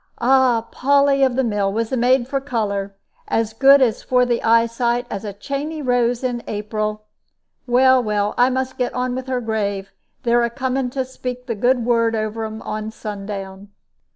Ah! Polly of the mill was the maid for color as good for the eyesight as a chaney rose in April. Well, well, I must get on with her grave; they're a coming to speak the good word over un on sundown."